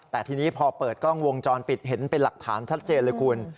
แต่ทีนี้พอเปิดกล้องวงจรปิดเห็นเป็นหลักฐานชัดเจนเลยคุณ